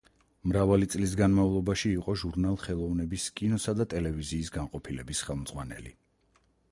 მრავალი წლის განმავლობაში იყო ჟურნალ „ხელოვნების“ კინოსა და ტელევიზიის განყოფილების ხელმძღვანელი.